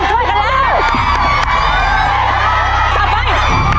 สับไป